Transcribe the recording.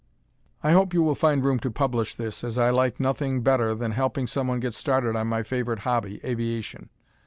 I hope you will find room to publish this, as I like nothing better than helping someone get started on my favorite hobby, aviation.